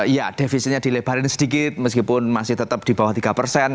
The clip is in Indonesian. iya defisitnya dilebarin sedikit meskipun masih tetap di bawah tiga persen